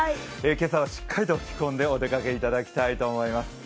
今朝はしっかりと着込んでお出かけいただきたいと思います。